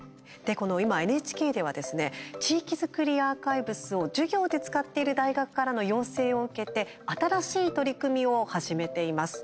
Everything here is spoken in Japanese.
今ＮＨＫではですね地域づくりアーカイブスを授業で使っている大学からの要請を受けて新しい取り組みを始めています。